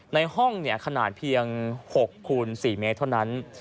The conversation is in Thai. ในห้องขนาดเพียง๖คูณ๔เมตรเท่านั้น